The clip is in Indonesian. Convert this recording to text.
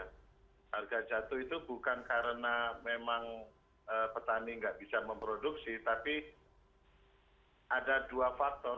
harga jatuh itu bukan karena memang petani nggak bisa memproduksi tapi ada dua faktor